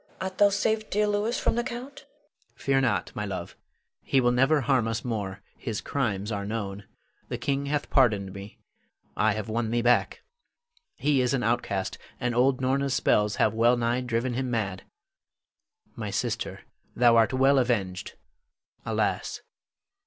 Art thou safe, dear Louis, from the Count? Louis. Fear not, my love. He will never harm us more; his crimes are known. The king hath pardoned me. I have won thee back. He is an outcast, and old Norna's spells have well nigh driven him mad. My sister, thou art well avenged! Alas!